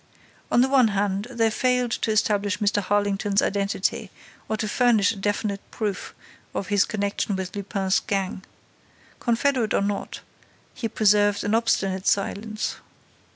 On the one hand, they failed to establish Mr. Harlington's identity or to furnish a definite proof of his connection with Lupin's gang. Confederate or not, he preserved an obstinate silence.